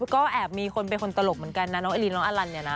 ก็แอบมีคนเป็นคนตลกเหมือนกันนะน้องอลินน้องอลันเนี่ยนะ